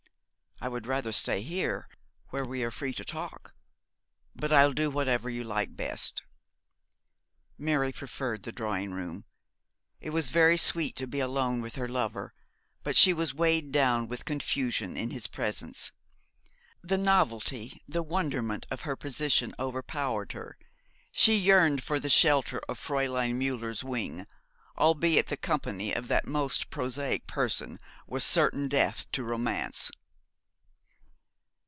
'I would rather stay here, where we are free to talk; but I'll do whatever you like best.' Mary preferred the drawing room. It was very sweet to be alone with her lover, but she was weighed down with confusion in his presence. The novelty, the wonderment of her position overpowered her. She yearned for the shelter of Fräulein Müller's wing, albeit the company of that most prosaic person was certain death to romance.